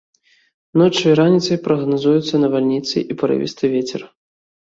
Ноччу і раніцай прагназуюцца навальніцы і парывісты вецер.